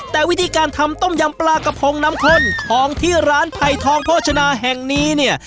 แต่วิธีการทำต้มยำปลากระพงน้ำข้นของที่ร้านไผ่ทองโภชนาแห่งนี้เนี่ย